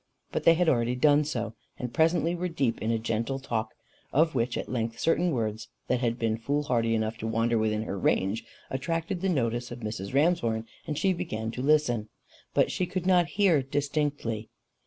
But they had already done so, and presently were deep in a gentle talk, of which at length certain words that had been foolhardy enough to wander within her range, attracted the notice of Mrs. Ramshorn, and she began to listen. But she could not hear distinctly.